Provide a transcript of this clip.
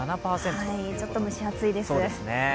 ちょっと蒸し暑いです。